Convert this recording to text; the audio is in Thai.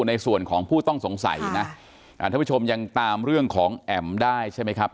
ในส่วนของผู้ต้องสงสัยนะท่านผู้ชมยังตามเรื่องของแอ๋มได้ใช่ไหมครับ